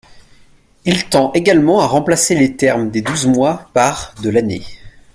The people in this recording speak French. Il tend également à remplacer les termes « des douze mois » par « de l’année ».